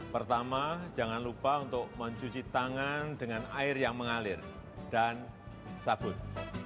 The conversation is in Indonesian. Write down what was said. pertama jangan lupa untuk mencuci tangan dengan air yang mengalir dan sabun